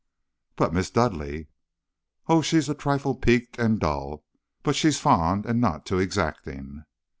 "'But Miss Dudleigh?' "'Oh, she's a trifle peaked and dull, but she's fond and not too exacting.'